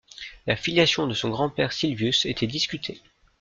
La filiation de son grand-père Silvius était discutée.